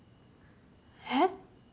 えっ？